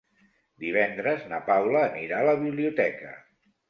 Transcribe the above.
Divendres na Paula anirà a la biblioteca.